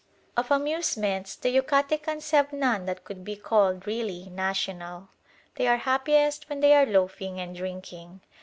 Of amusements the Yucatecans have none that could be called really national. They are happiest when they are loafing and drinking.